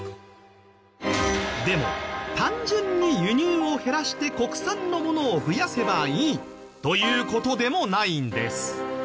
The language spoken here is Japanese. でも単純に輸入を減らして国産のものを増やせばいいという事でもないんです。